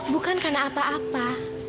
bukan karena apa apa